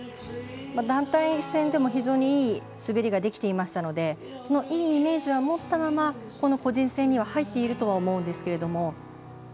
団体戦でも非常にいい滑りができていましたのでそのいいイメージは持ったままこの個人戦には入っているとは思うんですけど。